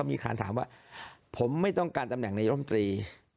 ว่าผมไม่ต้องการตำแหน่งในเริมตรี